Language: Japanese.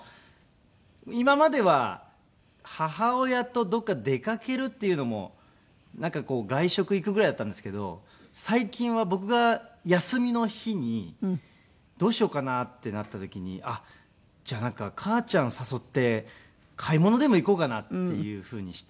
今までは母親とどこか出かけるっていうのもなんか外食行くぐらいだったんですけど最近は僕が休みの日にどうしようかなってなった時にあっじゃあなんか母ちゃん誘って買い物でも行こうかなっていうふうにして。